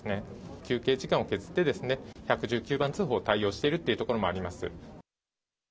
休憩時間を削って、１１９番通報、対応しているというところもあります。